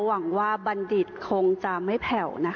หวังว่าบัณฑิตคงจะไม่แผ่วนะคะ